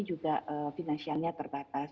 juga finansialnya terbatas